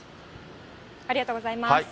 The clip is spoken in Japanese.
ありがとうございます。